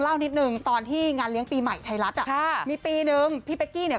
นิดนึงตอนที่งานเลี้ยงปีใหม่ไทยรัฐอ่ะค่ะมีปีนึงพี่เป๊กกี้เนี่ย